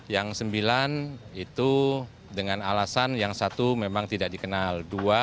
yang sembilan itu dengan alasan yang satu memang tidak dikenal